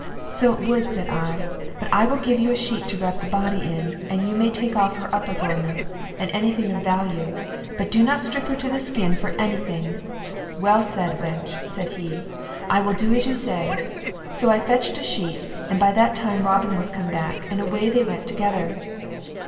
'So it would,' said I; 'but I will give you a sheet to wrap the body in, and you may take off her upper garments, and any thing of value; but do not strip her to the skin for any thing.' 'Well said, wench!' said he; 'I will do as you say.' So I fetched a sheet, and by that time Robin was come back, and away they went together.